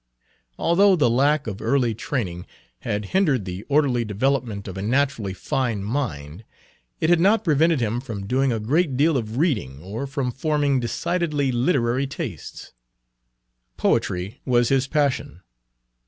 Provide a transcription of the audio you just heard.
Although the lack of early training had hindered the orderly development of a naturally fine mind, it had not prevented him from doing a great deal of reading or from forming decidedly literary tastes. Poetry was his passion.